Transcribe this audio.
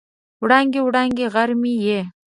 وړانګې، وړانګې غر مې یې